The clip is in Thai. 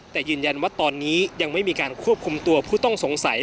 แต่ยืนยันว่าตอนนี้ยังไม่มีการควบคุมตัวผู้ต้องสงสัย